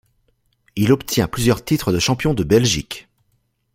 Il obtient plusieurs titres de champion de Belgique.